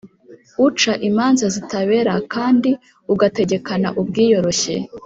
uca imanza zitabera kandi ugategekana ubwiyoroshye.